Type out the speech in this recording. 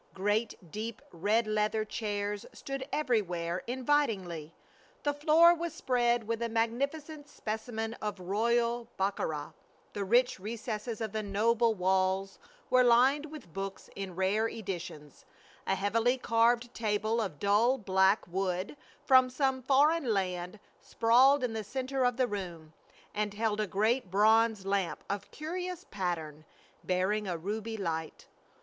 Great, deep, red leather chairs stood everywhere invitingly, the floor was spread with a magnificent specimen of Royal Bokhara, the rich recesses of the noble walls were lined with books in rare editions, a heavily carved table of dull black wood from some foreign land sprawled in the center of the room and held a great bronze lamp of curious pattern, bearing a ruby light.